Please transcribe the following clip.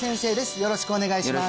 よろしくお願いします